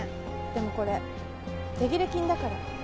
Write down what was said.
でもこれ手切れ金だから。